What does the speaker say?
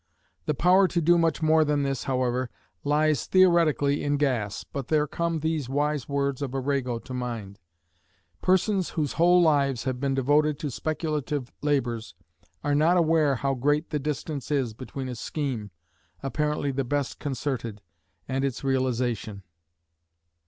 The power to do much more than this, however, lies theoretically in gas, but there come these wise words of Arago to mind: "Persons whose whole lives have been devoted to speculative labours are not aware how great the distance is between a scheme, apparently the best concerted, and its realisation."